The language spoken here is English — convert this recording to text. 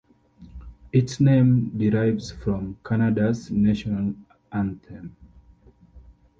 Its name derives from Canada's national anthem.